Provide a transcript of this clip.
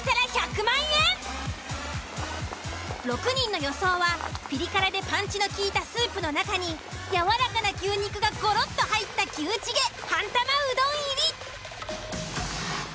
６人の予想はピリ辛でパンチのきいたスープの中にやわらかな牛肉がごろっと入った牛チゲ半玉うどん入り。